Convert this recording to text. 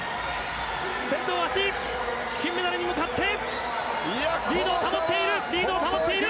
先頭、大橋金メダルに向かってリードを保っている！